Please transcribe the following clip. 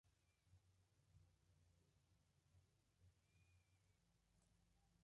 Su procedencia geográfica ha marcado la existencia de diversos modelos que todavía perviven.